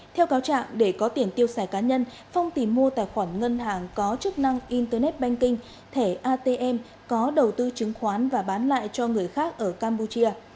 theo cáo trạng để có tiền tiêu xài cá nhân phong tìm mua tài khoản ngân hàng có chức năng internet banking thẻ atm có đầu tư chứng khoán và bán lại cho người khác ở campuchia